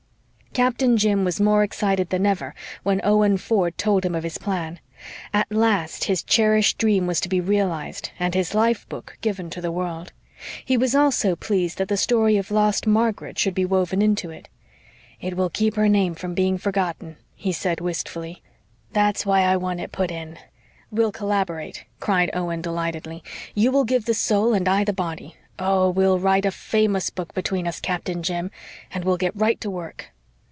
Captain Jim was more excited than ever when Owen Ford told him of his plan. At last his cherished dream was to be realized and his "life book" given to the world. He was also pleased that the story of lost Margaret should be woven into it. "It will keep her name from being forgotten," he said wistfully. "That's why I want it put in." "We'll collaborate," cried Owen delightedly. "You will give the soul and I the body. Oh, we'll write a famous book between us, Captain Jim. And we'll get right to work."